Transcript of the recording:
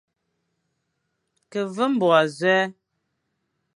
Ke veñ môr azôe,